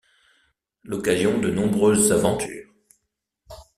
L'occasion de nombreuses aventures.